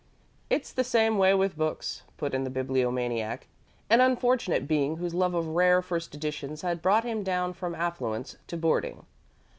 "It's the same way with books," put in the Bibliomaniac, an unfortunate being whose love of rare first editions had brought him down from affluence to boarding.